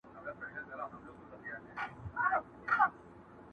ټولنه د اصلاح اړتيا لري ډېر،